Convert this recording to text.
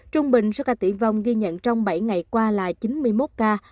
trung bình số ca tử vong ghi nhận trong bảy ngày qua là chín mươi một ca